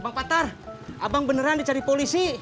bang patar abang beneran dicari polisi